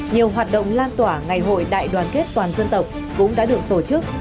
nhiều hoạt động lan tỏa ngày hội đại đoàn kết toàn dân tộc cũng đã được tổ chức